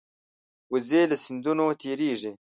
وزې له سیندونو تېرېږي